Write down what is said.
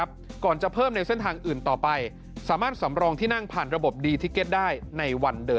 โปรดติดตามตอนต่อไป